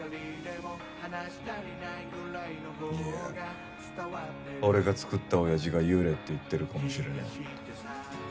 いや俺が作ったおやじが幽霊って言ってるかもしれねえ。